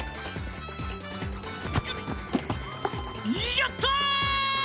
やった！